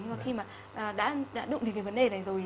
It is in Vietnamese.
nhưng mà khi mà đã đụng đến cái vấn đề này rồi